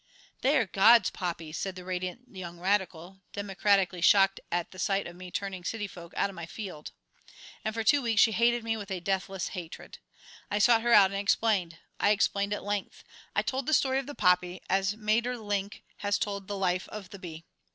"They are God's poppies," said the Radiant Young Radical, democratically shocked at sight of me turning city folk out of my field. And for two weeks she hated me with a deathless hatred. I sought her out and explained. I explained at length. I told the story of the poppy as Maeterlinck has told the life of the bee.